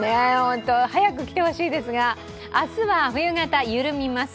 早く来てほしいですが、明日は冬型緩みます。